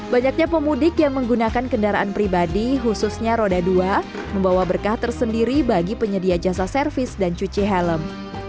banyaknya pemudik yang menggunakan kendaraan pribadi khususnya roda dua membawa berkah tersendiri bagi penyedia jasa servis dan cuci helm